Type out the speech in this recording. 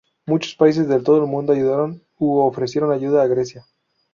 Muchos países de todo el mundo ayudaron u ofrecieron ayuda a Grecia.